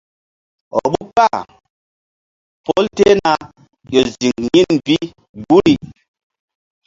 Vbukpa pol tehna ƴo ziŋ yin bi guri.